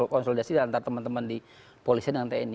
konsolidasi antara teman teman di polisi dan tni